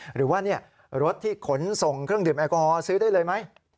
หรือว่ารถที่ขนส่งเครื่องดื่มแอลกอฮอลซื้อได้เลยไหม